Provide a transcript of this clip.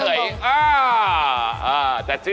โอ้โอ้โอ้โอ้